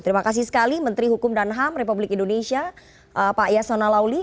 terima kasih sekali menteri hukum dan ham republik indonesia pak yasona lauli